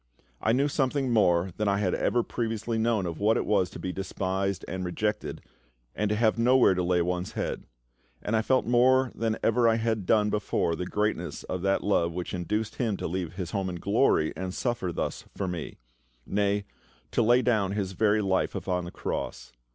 I knew something more than I had ever previously known of what it was to be despised and rejected, and to have nowhere to lay one's head; and I felt more than ever I had done before the greatness of that love which induced Him to leave His home in glory and suffer thus for me; nay, to lay down His very life upon the Cross.